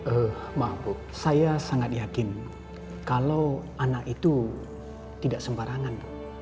oh maaf bu saya sangat yakin kalau anak itu tidak sembarangan